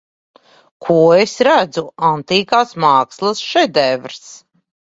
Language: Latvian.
Ko es redzu Antīkās mākslas šedevrs.